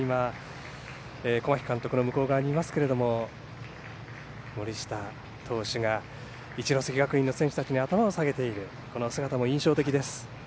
小牧監督の向こう側にいますけれども森下投手が一関学院の選手たちに頭を下げている姿も印象的です。